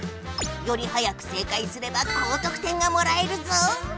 より早く正解すれば高得点がもらえるぞ。